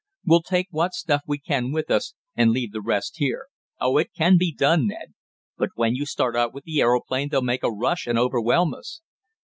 We'll take what stuff we can with us, and leave the rest here. Oh, it can be done, Ned." "But when you start out with the aeroplane they'll make a rush and overwhelm us."